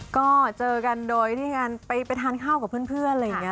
ก็เจอกันโดยที่การไปทานข้าวกับเพื่อนอะไรอย่างนี้